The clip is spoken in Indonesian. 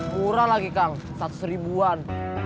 kurang lagi kang satu seribuan